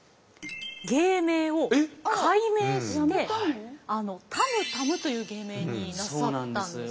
芸名を改名してたむたむという芸名になさったんです。